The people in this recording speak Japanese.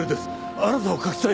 あなたを描きたい。